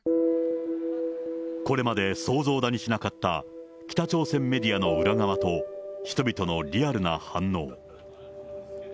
これまで想像だにしなかった、北朝鮮メディアの裏側と人々のリアルな反応。